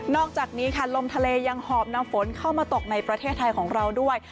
อกจากนี้ค่ะลมทะเลยังหอบนำฝนเข้ามาตกในประเทศไทยของเราด้วย